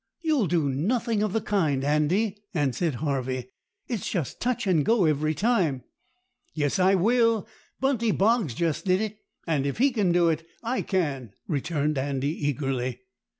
"You'll do nothing of the kind, Andy," answered Harvey. "It's just touch and go every time." "Yes, I will. Buntie Boggs just did it, and if he can do it, I can," returned Andy eagerly.